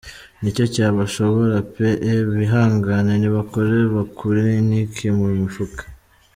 Nicyo cyabashobora peeee! Eeeee bihangane nibakore bakure intiki mu mifuka.